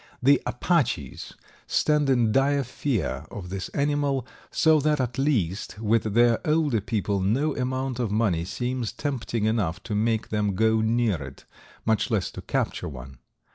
The Apaches stand in dire fear of this animal, so that, at least, with their older people no amount of money seems tempting enough to make them go near it, much less to capture one.